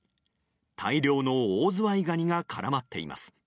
大量のオオズワイガニが絡まっています。